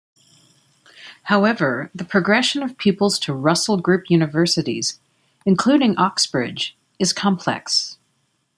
However, the progression of pupils to Russell Group universities, including Oxbridge, is complex.